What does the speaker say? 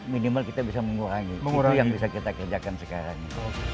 minimal kita bisa mengurangi itu yang bisa kita kerjakan sekarang